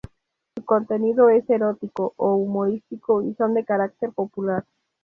Su contenido es erótico o humorístico y son de carácter popular.